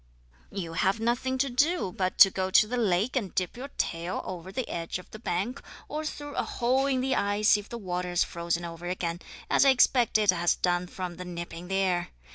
"You have nothing to do but to go to the lake and dip your tail over the edge of the bank, or through a hole in the ice if the water has frozen over again, as I expect it has done from the nip in the air.